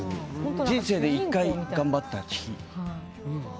人生で１回頑張った日。